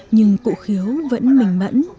nhưng cụ khiếu vẫn mềm mẫn